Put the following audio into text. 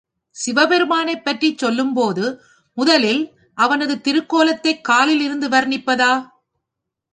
சிவபெருமானைப் பற்றிச் சொல்லும்போது முதலில் அவனது திருக்கோலத்தைக் காலில் இருந்து வர்ணிப்பதா?